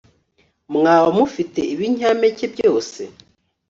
mwaba mufite ibinyampeke byose